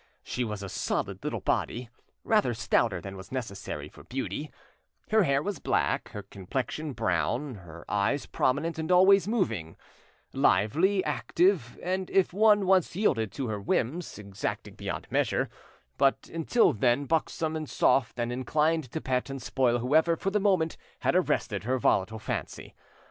She was a solid little body, rather stouter than was necessary for beauty; her hair was black, her complexion brown, her eyes prominent and always moving; lively, active, and if one once yielded to her whims, exacting beyond measure; but until then buxom and soft, and inclined to pet and spoil whoever, for the moment, had arrested her volatile fancy.